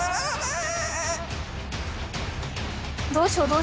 どうしよう？